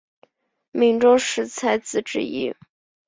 闽中十才子之一。